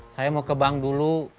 saya mau ke bank dulu